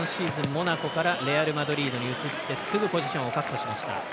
モナコからレアルマドリードに移ってすぐにポジションを確保しました。